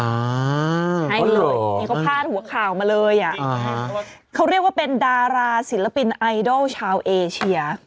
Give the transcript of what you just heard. ใช่เลยนี่เขาพาดหัวข่าวมาเลยอ่ะเขาเรียกว่าเป็นดาราศิลปินไอดอลชาวเอเชีย